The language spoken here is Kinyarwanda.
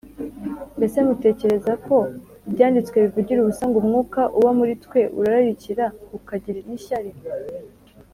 Mbese mutekereza ko Ibyanditswe bivugira ubusa ngo: Umwuka uba muri twe urararikira, ukagira n'ishyari